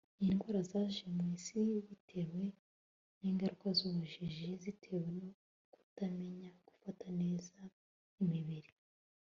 n'indwara zaje mu isi bitewe n'ingaruka z'ubujiji zitewe no kutamenya gufata neza imibiri